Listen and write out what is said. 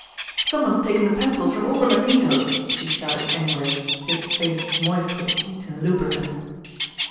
"Someone's taken the pencils from all the magnetos," he shouted angrily, his face moist with heat and lubricant.